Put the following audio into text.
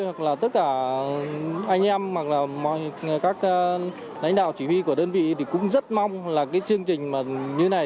hoặc là tất cả anh em hoặc là các lãnh đạo chỉ huy của đơn vị thì cũng rất mong là cái chương trình mà như thế này